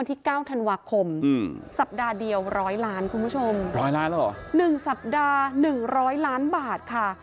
นึงสัปดาห์หนึ่งร้อยล้านบาทค่ะ